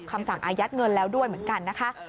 คำสั่งอายัดเงินแล้วด้วยเหมือนกันนะคะ